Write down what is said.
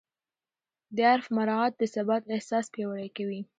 د عرف مراعات د ثبات احساس پیاوړی کوي.